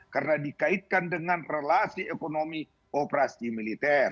karena dikaitkan dengan relasi ekonomi operasi militer